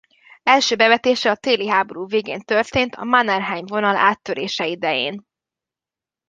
Első bevetése a Téli háború végén történt a Mannerheim-vonal áttörése idején.